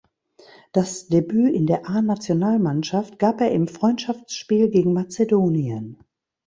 Das Debüt in der A-Nationalmannschaft gab er im Freundschaftsspiel gegen Mazedonien.